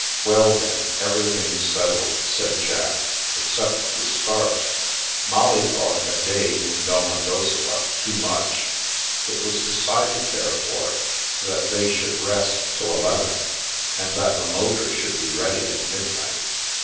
"Well, then, everything's settled," said Jack, "except the start." Molly thought a day in Domodossola too much. It was decided, therefore, that they should rest till eleven, and that the motor should be ready at mid night.